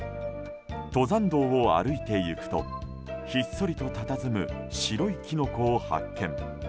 登山道を歩いていくとひっそりとたたずむ白いキノコを発見。